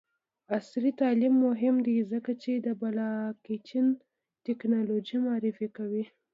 عصري تعلیم مهم دی ځکه چې د بلاکچین ټیکنالوژي معرفي کوي.